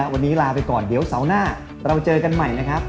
วันนี้ลาไปก่อนเดี๋ยวเสาร์หน้าเราเจอกันใหม่นะครับ